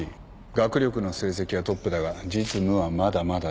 学力の成績はトップだが実務はまだまだだ。